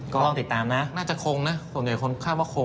ต้องติดตามนะน่าจะคงนะส่วนใหญ่คนคาดว่าคง